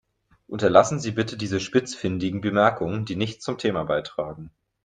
Unterlassen Sie bitte diese spitzfindigen Bemerkungen, die nichts zum Thema beitragen.